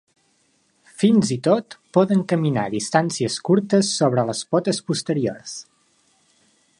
Fins i tot poden caminar distàncies curtes sobre les potes posteriors.